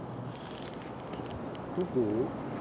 どこ？